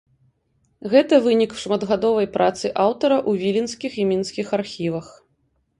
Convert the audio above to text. Гэта вынік шматгадовай працы аўтара ў віленскіх і мінскіх архівах.